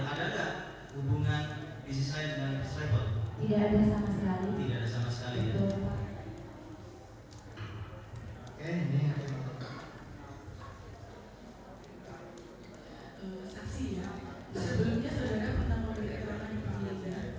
adakah hubungan bisnis saya dengan strepon